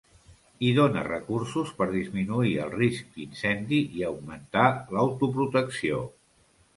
I dona recursos per disminuir el risc d'incendi i augmentar l'autoprotecció.